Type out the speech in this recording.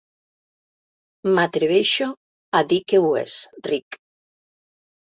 M'atreveixo a dir que ho és, Rick.